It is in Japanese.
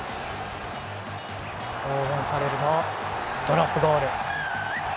オーウェン・ファレルのドロップゴール。